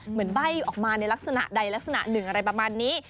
ใบ้ออกมาในลักษณะใดลักษณะหนึ่งอะไรประมาณนี้